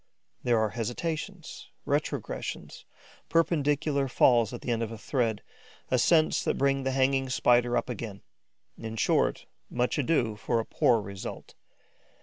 There are hesitations, retrogressions, perpendicular falls at the end of a thread, ascents that bring the hanging Spider up again. In short much ado for a poor result.